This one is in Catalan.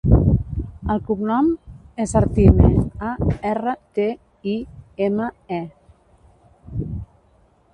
El cognom és Artime: a, erra, te, i, ema, e.